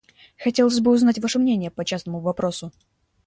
Хотелось бы узнать ваше мнение по частному вопросу.